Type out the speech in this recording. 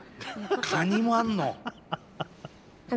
カニもあんの？